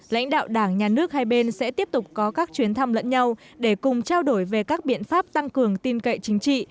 lãnh đạo đảng nhà nước hai bên sẽ tiếp tục có các chuyến thăm lẫn nhau để cùng trao đổi về các biện pháp tăng cường tin cậy chính trị